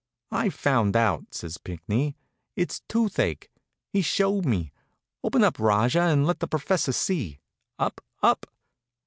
"I've found out," says Pinckney. "It's toothache. He showed me. Open up, Rajah, and let the professor see. Up, up!"